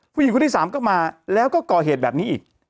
ผู้หญิงคนที่สามก็มาแล้วก็ก่อเหตุแบบนี้อีก